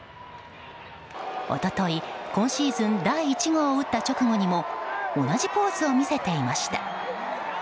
一昨日、今シーズン第１号を打った直後にも同じポーズを見せていました。